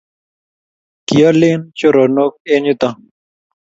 kioolen choronok eng yuto